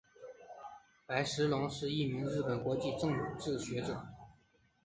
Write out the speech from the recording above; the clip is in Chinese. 白石隆是一名日本国际政治学者。